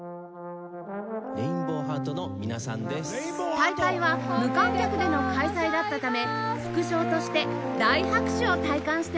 大会は無観客での開催だったため副賞として大拍手を体感してもらいます